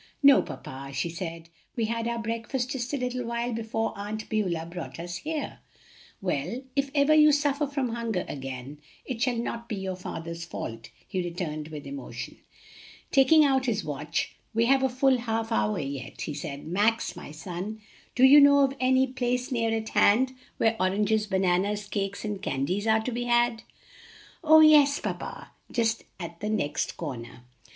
"No, papa," she said, "we had our breakfast just a little while before Aunt Beulah brought us here." "Well, if ever you suffer from hunger again it shall not be your father's fault," he returned with emotion. Taking out his watch, "We have a full half hour yet," he said. "Max, my son, do you know of any place near at hand where oranges, bananas, cakes, and candies are to be had?" "Oh, yes, papa! just at the next corner."